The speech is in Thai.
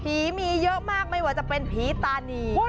ผีมีเยอะมากไม่ว่าจะเป็นผีตานี